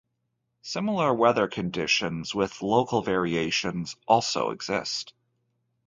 Similar weather conditions, with local variations also exist.